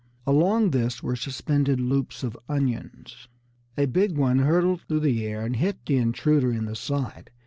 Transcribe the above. Along this were suspended loops of onions. A big one hurtled through the air and hit the intruder in the side.